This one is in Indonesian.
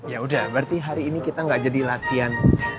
yaudah berarti hari ini kita gak jadi latihan